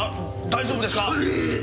大丈夫ですか？